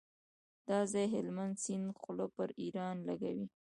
دا ځای هلمند سیند خوله پر ایران لګوي.